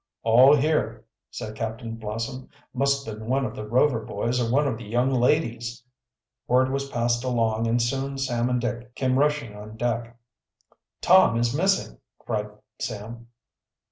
"All here," said Captain Blossom. "Must have been one of the Rover boys or one of the young ladies." Word was passed along and soon Sam and Dick came rushing on deck. "Tom is missing!" cried Sam.